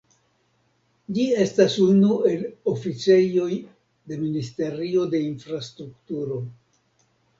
Ĝi estas unu el oficejoj de ministerio de infrastrukturo.